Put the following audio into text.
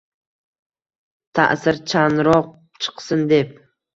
ta’sirchanroq chiqsin, deb